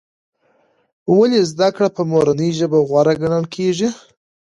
ولې زده کړه په مورنۍ ژبه غوره ګڼل کېږي؟